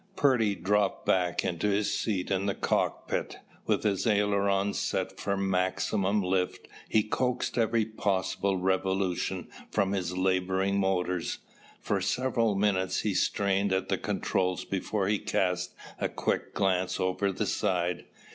Purdy dropped back into his seat in the cockpit. With his ailerons set for maximum lift he coaxed every possible revolution from his laboring motors. For several minutes he strained at the controls before he cast a quick glance over the side.